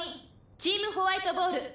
チームホワイトボール」